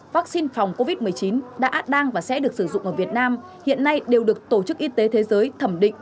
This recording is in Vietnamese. vaccine phòng covid một mươi chín đã đang và sẽ được sử dụng ở việt nam hiện nay đều được tổ chức y tế thế giới thẩm định